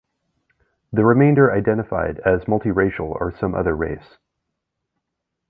The remainder identified as multiracial or some other race.